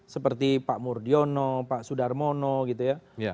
seperti pak murdiono pak sudarmono gitu ya